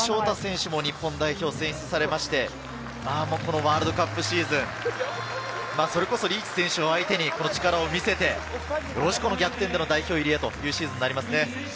大選手も日本代表に選出されまして、ワールドカップシーズン、それこそリーチ選手を相手に力を見せて、逆転での代表入りというシーズンになりますね。